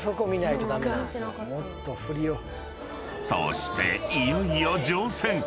［そしていよいよ乗船］